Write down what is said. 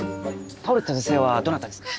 倒れた女性はどなたですか？